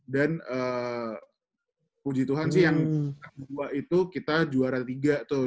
dan puji tuhan sih yang kedua itu kita juara tiga tuh